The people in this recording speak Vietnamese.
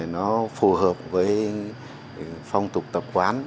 nó phù hợp với phong tục tập quán